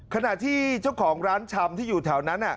ขณะที่เจ้าของร้านชำที่อยู่แถวนั้น